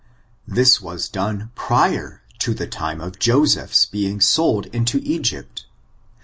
This was doneprtor to the time of Joseph's being sold into Egypt.